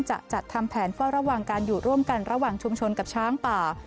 จะจัดทำแผนเฝ้าระวังการอยู่ร่วมกันระหว่างชุมชนกับช้างป่า